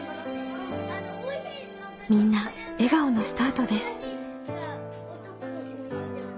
みんな笑顔のスタートです。